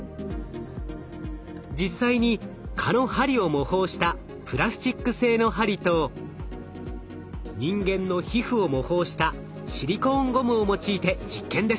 実際に蚊の針を模倣したプラスチック製の針と人間の皮膚を模倣したシリコーンゴムを用いて実験です。